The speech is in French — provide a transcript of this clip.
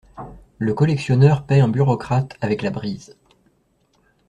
Le collectionneur paie un bureaucrate avec la brise!